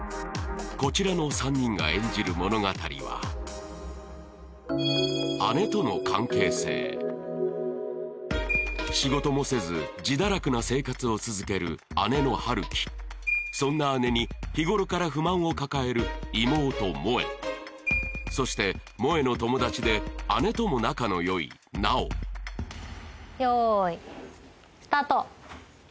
こちらの３人が演じる物語は仕事もせず自堕落な生活を続ける姉の春希そんな姉に日頃から不満を抱える妹・萌衣そして萌衣の友達で姉とも仲の良い奈央用意スタート